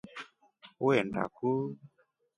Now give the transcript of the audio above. Uenda kuu?